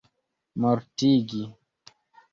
mortigi